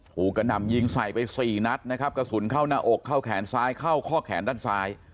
กระหน่ำยิงใส่ไปสี่นัดนะครับกระสุนเข้าหน้าอกเข้าแขนซ้ายเข้าข้อแขนด้านซ้าย